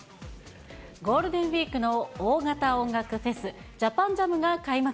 ゴールデンウィークの大型音楽フェス、ＪＡＰＡＮＪＡＭが開幕。